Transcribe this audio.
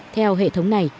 theo hệ thống này